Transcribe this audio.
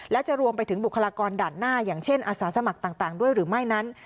และจะรวมไปถึงบุคลากรด่านหน้าอย่างเช่นอาสาสมัครต่างด้วยหรือไม่นั้น